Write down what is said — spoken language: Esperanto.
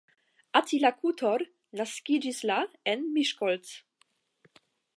Attila Kuttor naskiĝis la en Miskolc.